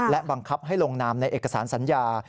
และบังคับให้ลงนามในเอกสารสัญญา